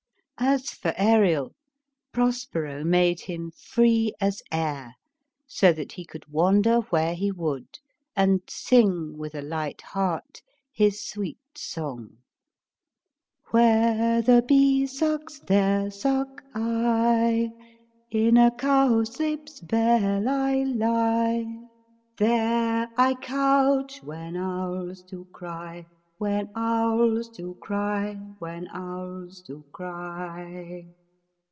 As for Ariel, Prospero made him free as air, so that he could wander where he would, and sing with a light heart his sweet song. "Where the bee sucks, there suck I : In a cowslip's bell I lie; There I couch when owls do cry.